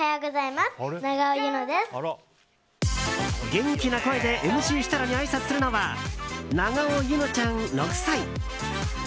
元気な声でＭＣ設楽にあいさつするのは永尾柚乃ちゃん、６歳。